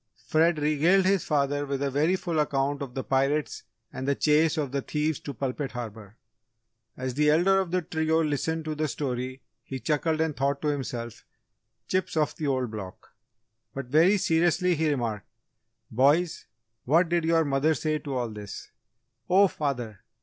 Fred regaled his father with a very full account of the pirates and the chase of the thieves to Pulpit Harbour. As the elder of the trio listened to the story he chuckled and thought to himself, "Chips of the Old Block." But, very seriously he remarked, "Boys, what did your mother say to all this?" "Oh, father!